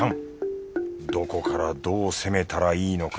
どこからどう攻めたらいいのか。